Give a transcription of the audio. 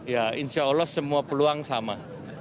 ya insya allah semua peluang sama